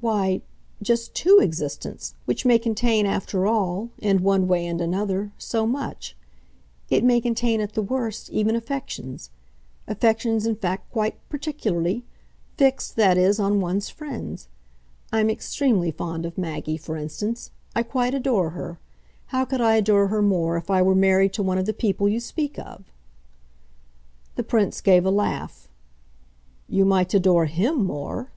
"Why, just TO existence which may contain, after all, in one way and another, so much. It may contain, at the worst, even affections; affections in fact quite particularly; fixed, that is, on one's friends. I'm extremely fond of Maggie, for instance I quite adore her. How could I adore her more if I were married to one of the people you speak of?" The Prince gave a laugh. "You might adore HIM more